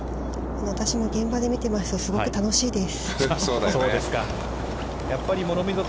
◆私も現場で見ていますと、すごく楽しいです。